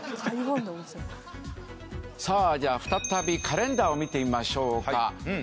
さあ再びカレンダーを見てみましょうか。